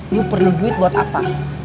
ini perlu duit buat apa